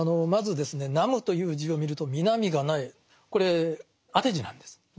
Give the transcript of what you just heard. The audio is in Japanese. まずですね「南無」という字を見ると「南」が無いこれ当て字なんです。